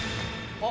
あっ。